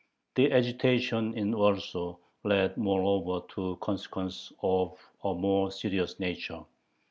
The agitation in Warsaw led moreover to consequences of a more serious nature.